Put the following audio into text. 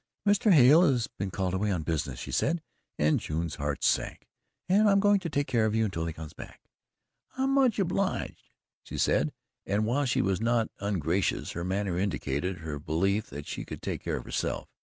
"Mr. Hale has been called away on business," she said, and June's heart sank "and I'm going to take care of you until he comes back." "I'm much obleeged," she said, and while she was not ungracious, her manner indicated her belief that she could take care of herself.